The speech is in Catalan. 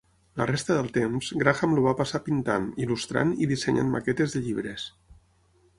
La resta del temps, Graham el va passar pintant, il·lustrant i dissenyant maquetes de llibres.